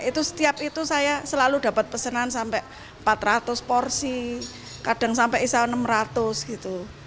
itu setiap itu saya selalu dapat pesanan sampai empat ratus porsi kadang sampai isau enam ratus gitu